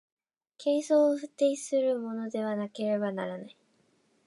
形相を否定するものでなければならない。